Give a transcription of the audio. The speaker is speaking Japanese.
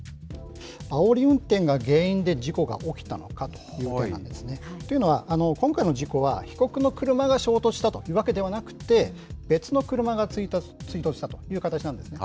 あおり運転が原因で事故が起きたのかという点なんですね。というのは、今回の事故は被告の車が衝突したというわけではなくて、別の車が追突したという形なんですね。